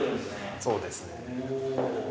そうですね。